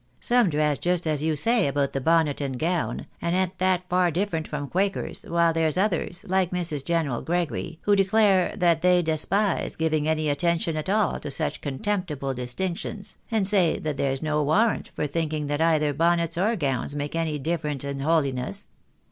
Some dress just as you say about the bonnet and gown, and an't that far different from quakers, while there's others, like Mrs. General Gregory, who declare that they despise giving any attention at all to such con temptible distinctions, and say that there's no warrant for thinking that either bonnets or gowns make any difference in holiness."